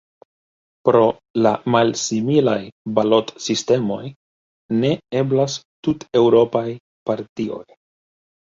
Pro la malsimilaj balotsistemoj, ne eblas tuteŭropaj partioj.